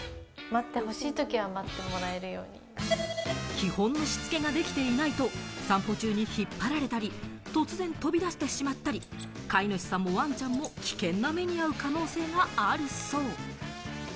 基本のしつけができていないと、散歩中に引っ張られたり、突然、飛び出してしまったり、飼い主さんもワンちゃんも危険な目に遭う可能性があるそう。